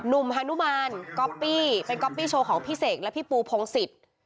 มหานุมานก๊อปปี้เป็นก๊อปปี้โชว์ของพี่เสกและพี่ปูพงศิษย์